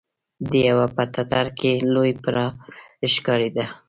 د يوه په ټټر کې لوی پرار ښکارېده.